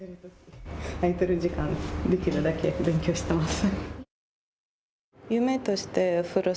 空いている時間できるだけ勉強しています。